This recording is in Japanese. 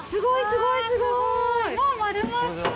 すごい！